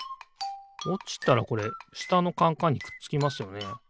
おちたらこれしたのカンカンにくっつきますよね。